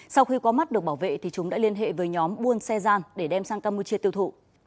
sau khi có mắt được bảo vệ thì chúng đã liên hệ với nhóm buôn xe gian để đem sang campuchia tiêu thụ